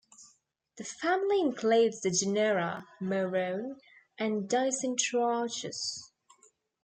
The family includes the genera "Morone" and" Dicentrarchus".